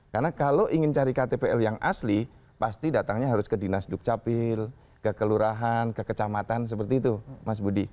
karena kalau ingin cari ktpl yang asli pasti datangnya harus ke dinas dukcapil ke kelurahan ke kecamatan seperti itu mas budi